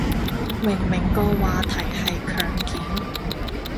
明明個話題係強檢